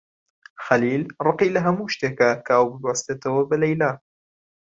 خەلیل ڕقی لە هەموو شتێکە کە ئەو ببەستێتەوە بە لەیلا.